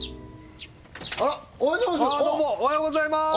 あらっおはようございます